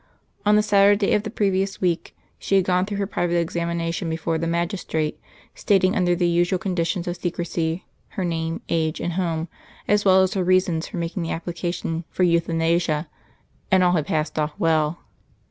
On the Saturday of the previous week she had gone through her private examination before the magistrate, stating under the usual conditions of secrecy her name, age and home, as well as her reasons for making the application for Euthanasia; and all had passed off well.